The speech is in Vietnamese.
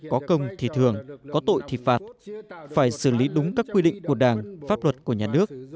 có công thì thường có tội thì phạt phải xử lý đúng các quy định của đảng pháp luật của nhà nước